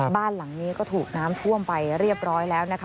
บ้านหลังนี้ก็ถูกน้ำท่วมไปเรียบร้อยแล้วนะคะ